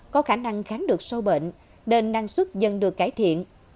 có khả năng kháng được sâu bệnh nên năng suất dần được cải thiện